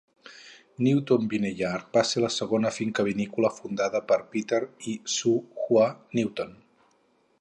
Newton Vineyard va ser la segona finca vinícola fundada per Peter i Su Hua Newton.